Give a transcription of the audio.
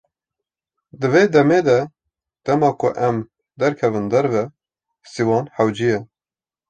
Di vê demê de dema ku em derkevin derve, sîwan hewce ye.